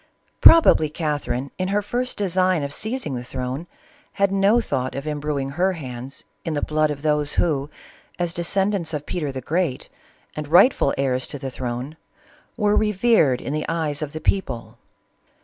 Probably Cath erine, in her first design of seizing the crown, had no thought of imbruing her hands in the blood of those who, as descendants of Peter the Great and rightful heirs to the throne, were revered in the eyes of the people.